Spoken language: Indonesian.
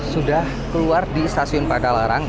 sudah keluar di stasiun padalarang